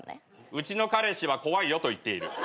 うちの彼氏は怖いよと言っている。